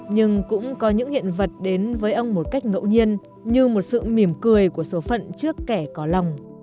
nhưng cũng có những hiện vật đến với ông một cách ngẫu nhiên như một sự mỉm cười của số phận trước kẻ có lòng